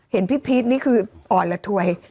เห็นพี่พีชนี่คืออ่อนละถวย